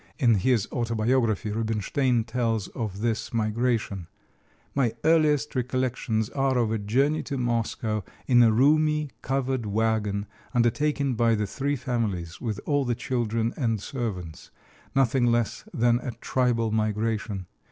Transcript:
In his autobiography Rubinstein tells of this migration: "My earliest recollections are of a journey to Moscow in a roomy covered wagon, undertaken by the three families, with all the children and servants, nothing less than a tribal migration.